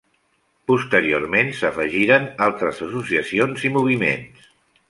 Posteriorment s’afegiren altres associacions i moviments.